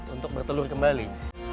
untuk bertelur kembali